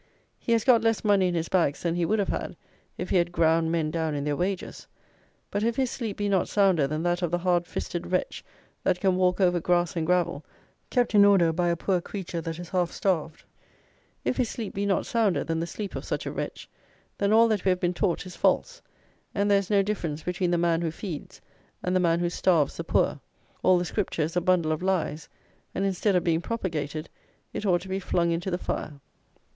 He has got less money in his bags than he would have had, if he had ground men down in their wages; but if his sleep be not sounder than that of the hard fisted wretch that can walk over grass and gravel, kept in order by a poor creature that is half starved; if his sleep be not sounder than the sleep of such a wretch, then all that we have been taught is false, and there is no difference between the man who feeds and the man who starves the poor: all the Scripture is a bundle of lies, and instead of being propagated it ought to be flung into the fire.